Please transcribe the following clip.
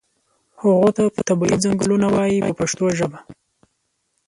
هغو ته طبیعي څنګلونه وایي په پښتو ژبه.